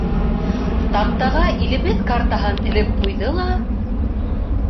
Таҡтаға илебеҙ картаһын элеп ҡуйҙы ла: